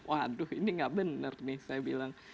waduh ini nggak benar nih saya bilang